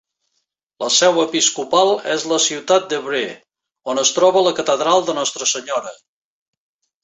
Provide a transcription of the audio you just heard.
La seu episcopal és la ciutat d'Évreux, on es troba la catedral de Nostra Senyora.